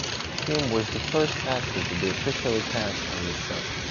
Kim was the first actor to be officially cast on the show.